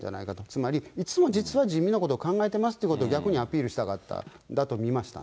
つまりいつも実は人民のことを考えてますってことを、逆にアピールしたかったんだと見ましたね。